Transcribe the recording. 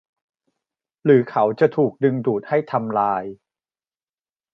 หรือเขาจะถูกดึงดูดให้ทำลาย